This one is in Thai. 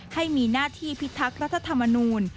ให้มีหน้าที่พิทักษ์รัฐธรรมนูล